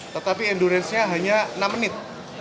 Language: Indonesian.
tetapi endurance nya hanya enam menit